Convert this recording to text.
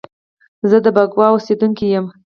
زه د بکواه اوسیدونکی یم